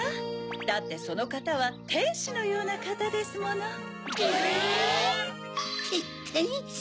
だってそのかたはてんしのようなかたですもの。え⁉てんし？